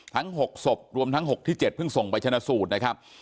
ทั้ง๖ศพรวมทั้ง๖ที่๗เพิ่งส่งไปชนะสูตรนะครับ